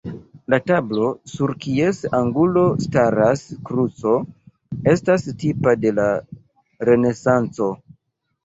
La tablo, sur kies angulo staras kruco, estas tipa de la Renesanco.